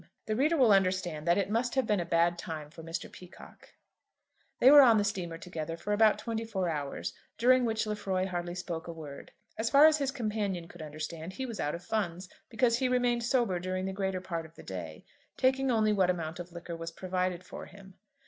The reader will understand that it must have been a bad time for Mr. Peacocke. They were on the steamer together for about twenty four hours, during which Lefroy hardly spoke a word. As far as his companion could understand he was out of funds, because he remained sober during the greater part of the day, taking only what amount of liquor was provided for him.